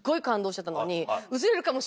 してたのに。